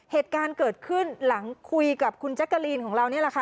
เหตุการณ์เกิดขึ้นหลังคุยกับคุณแจ๊กกะลีนของเรานี่แหละค่ะ